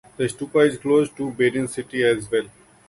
The stupa is close to Badin city as well.